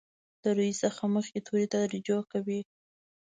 د روي څخه مخکې توري ته رجوع کیږي.